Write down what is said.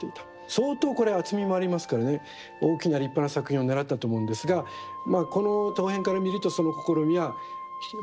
相当これは厚みもありますからね大きな立派な作品をねらったと思うんですがまあこの陶片から見るとその試みはまあ残念ながらということで。